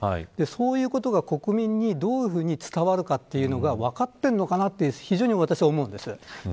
そういうことが国民にどういうふうに伝わるのかというのが分かっているのかなと思うんです。